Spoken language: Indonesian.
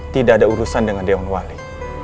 tidak ada urusan dengan dewan wali